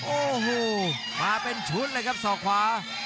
โอ้โหมาเป็นชุดเลยครับศอกขวา